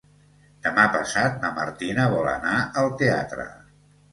Demà passat na Martina vol anar al teatre.